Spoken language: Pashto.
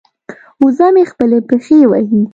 وزه مې خپلې پښې وهي.